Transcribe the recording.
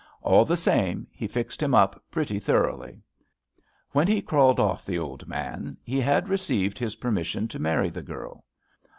All the same he fixed him up pretty thoroughly. When he crawled off the old man he had received his permission to marry the girl.